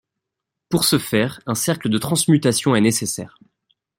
Pour ce faire, un cercle de transmutation est nécessaire.